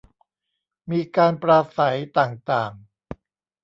มีการปราศรัยต่างต่าง